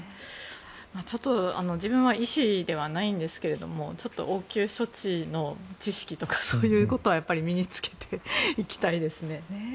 自分は医師ではないんですけれど応急処置の知識とかそういうことは身に着けていきたいですね。